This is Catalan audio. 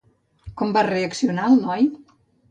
Com va reaccionar el noi?